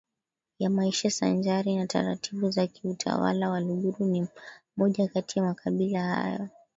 ya maisha sanjari na taratibu za kiutawala Waluguru ni moja kati ya Makabila hayo